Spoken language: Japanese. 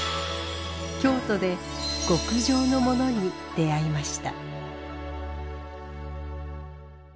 京都で極上のモノに出会いました。